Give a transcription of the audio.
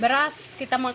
beras itu apa adanya juga